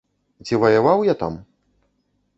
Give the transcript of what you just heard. Ці ваяваў я там?